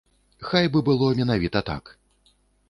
Хай бы было менавіта так!